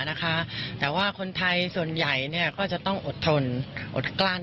แต่ว่าคนไทยส่วนใหญ่เนี่ยก็จะต้องอดทนอดกลั้น